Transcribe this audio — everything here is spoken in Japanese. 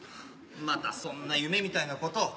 またそんな夢みたいなことを。